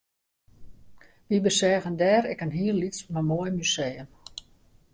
Wy beseagen dêr ek in hiel lyts mar moai museum